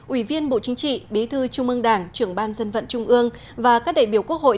ủy viên bộ chính trị bí thư trung ương đảng trưởng ban dân vận trung ương và các đại biểu quốc hội